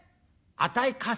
あたい鎹？